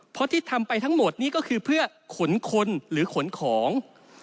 เพราะที่ทำไปทั้งหมดนี่ก็คือเพื่อขนคนหรือขนของ